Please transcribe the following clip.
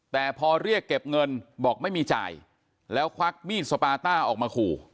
แต่พอเรียกเก็บเงินบอกไม่มีจ่ายแล้วควักมีดสปาต้าออกมาขู่